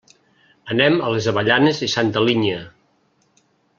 Anem a les Avellanes i Santa Linya.